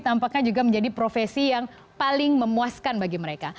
tampaknya juga menjadi profesi yang paling memuaskan bagi mereka